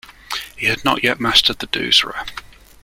He had not yet mastered the doosra.